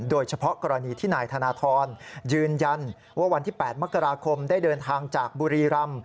โดยเฉพาะกรณีที่นายธนทรยืนยันว่าวันที่๘มกราคมได้เดินทางจากบุรีรำ